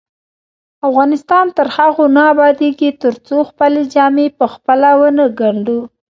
افغانستان تر هغو نه ابادیږي، ترڅو خپلې جامې پخپله ونه ګنډو.